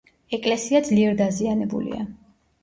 ეკლესია ძლიერ დაზიანებულია.